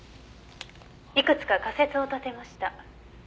「いくつか仮説を立てました」